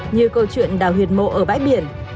như câu chuyện đào huyệt mộ ở bãi biển